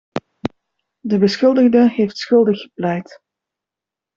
De beschuldigde heeft schuldig gepleit.